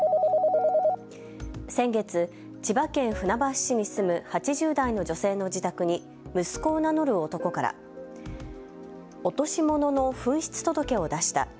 先月、千葉県船橋市に住む８０代の女性の自宅に息子を名乗る男から落とし物の紛失届を出した。